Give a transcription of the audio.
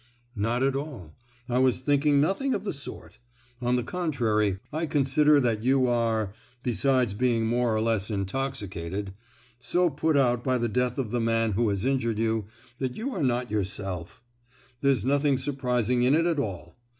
"Not at all. I was thinking nothing of the sort; on the contrary, I consider that you are—besides being more or less intoxicated—so put out by the death of the man who has injured you that you are not yourself. There's nothing surprising in it at all!